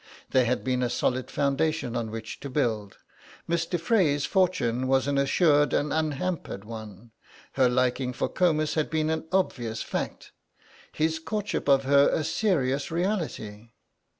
There had been a solid foundation on which to build. Miss de Frey's fortune was an assured and unhampered one, her liking for Comus had been an obvious fact; his courtship of her a serious reality.